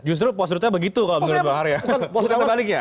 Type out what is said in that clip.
justru post truthnya begitu kalau menurut bahar ya